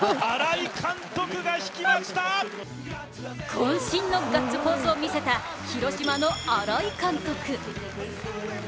こん身のガッツポーズを見せた広島の新井監督。